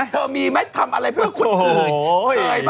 เธอมีฮะทำอะไรเพื่อคุณโต่ย